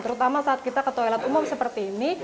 terutama saat kita ke toilet umum seperti ini